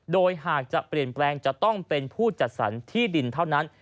โดยหากจะเปลี่ยนแปลงจะต้องเป็นผู้จัดสรรที่ดินเท่านั้น